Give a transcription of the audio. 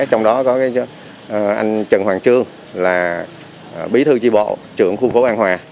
trong đó có anh trần hoàng trương là bí thư tri bộ trưởng khu phố an hòa